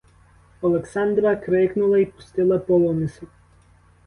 Олександра крикнула й пустила полумисок.